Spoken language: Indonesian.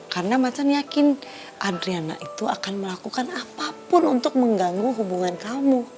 karena macan yakin adriana itu akan melakukan apapun untuk mengganggu hubungan kamu